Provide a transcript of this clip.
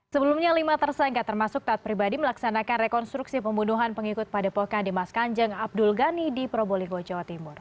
sebelumnya lima tersangka termasuk taat pribadi melaksanakan rekonstruksi pembunuhan pengikut padepokan dimas kanjeng abdul ghani di probolinggo jawa timur